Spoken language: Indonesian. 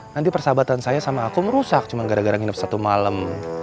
nanti persahabatan saya sama akum rusak cuma gara gara nginep satu malem